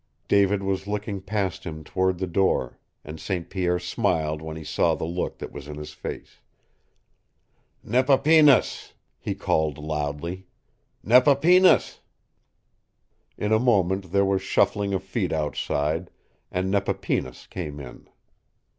David was looking past him toward the door, and St. Pierre smiled when he saw the look that was in his face. "Nepapinas!" he called loudly. "Nepapinas!" In a moment there was shuffling of feet outside, and Nepapinas came in.